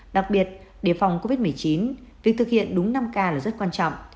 đặc biệt đề phòng covid một mươi chín việc thực hiện đúng năm k là rất quan trọng